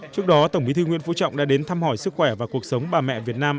trước đó tổng bí thư nguyễn phú trọng đã đến thăm hỏi sức khỏe và cuộc sống bà mẹ việt nam